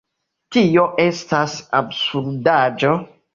Tio estas absurdaĵo!